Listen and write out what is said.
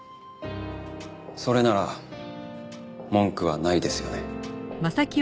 それなら文句はないですよね？